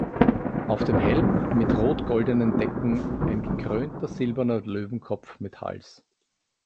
Auf dem Helm mit rot-goldenen Decken ein gekrönter silberner Löwenkopf mit Hals.